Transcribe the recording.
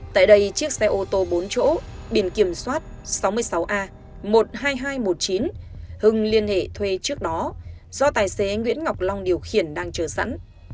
tại đây chiếc xe ô tô bốn chỗ biển kiểm soát sáu mươi sáu a một mươi hai nghìn hai trăm một mươi chín hưng liên hệ thuê trước đó do tài xế nguyễn ngọc long điều khiển đang chờ sẵn